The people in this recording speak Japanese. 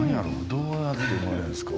どうやって生まれるんですか？